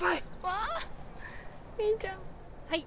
はい。